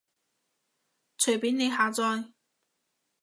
隨便你下載